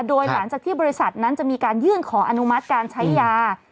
โดยหลังจากที่บริษัทนั้นจะมีการยื่นขออนุมัติการใช้ยา